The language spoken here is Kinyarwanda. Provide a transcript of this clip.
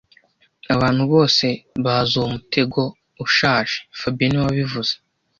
Abantu bose bazi uwo mutego ushaje fabien niwe wabivuze